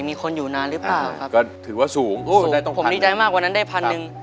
มีคนอยู่นานหรือเปล่าครับก็ถือว่าสูงได้ตรงผมดีใจมากวันนั้นได้พันหนึ่ง